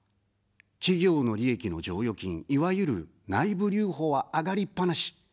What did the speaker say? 企業の利益の剰余金、いわゆる内部留保は上がりっぱなし。